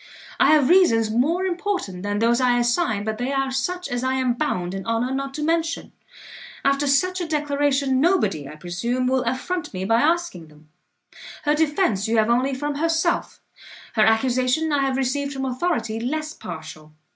I have reasons more important than those I assign, but they are such as I am bound in honour not to mention. After such a declaration, nobody, I presume, will affront me by asking them. Her defence you have only from herself, her accusation I have received from authority less partial.